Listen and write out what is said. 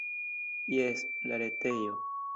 Jes, la retejo.